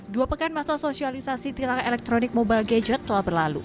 dua pekan masa sosialisasi tilang elektronik mobile gadget telah berlalu